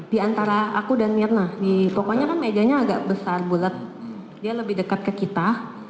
di antara aku dan mirna pokoknya kan mejanya agak besar bulat dia lebih dekat ke kita